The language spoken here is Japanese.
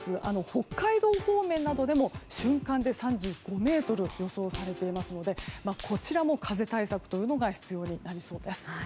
北海道方面などでも瞬間で３５メートル予想されていますのでこちらも風対策というのが必要になりそうです。